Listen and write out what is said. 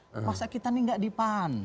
masa kita nih gak dipan